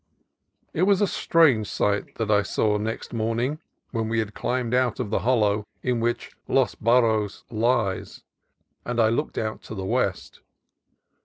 It was a strange sight that I saw next morning when we had climbed out of the hollow in which Los Burros lies, and I looked out to the west.